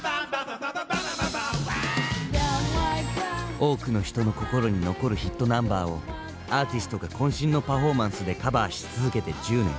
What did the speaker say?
多くの人の心に残るヒットナンバーをアーティストが渾身のパフォーマンスでカバーし続けて１０年。